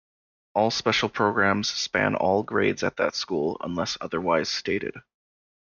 All special programs span all grades at that school unless otherwise stated.